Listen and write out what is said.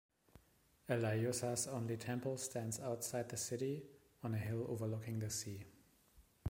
Elaiussa's only temple stands outside the city on a hill overlooking the sea.